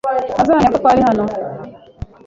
ntazamenya ko twari hano.